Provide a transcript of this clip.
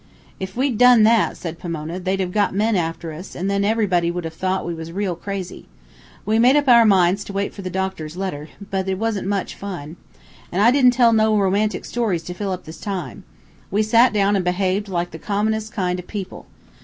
"If we'd done that," said Pomona, "they'd have got men after us, an' then everybody would have thought we was real crazy. We made up our minds to wait for the doctor's letter, but it wasn't much fun. An' I didn't tell no romantic stories to fill up the time. We sat down an' behaved like the commonest kind o' people.